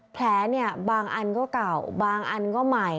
แผลเนี่ยบางอันก็เก่าบางอันก็ใหม่